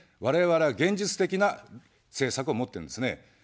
我々は現実的な政策を持ってるんですね。